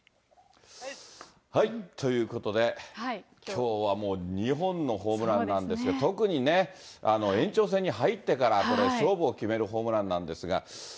ということで、きょうはもう２本のホームランなんですけど、特にね、延長戦に入ってから、これ勝負を決めるホームランなんですが。